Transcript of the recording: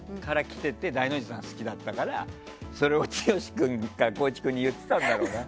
ダイノジさんが好きだったからそれを剛君か光一君に言ってたんだろうね。